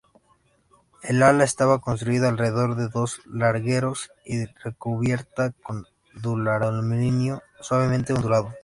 El ala estaba construida alrededor de dos largueros y recubierta con duraluminio suavemente ondulado.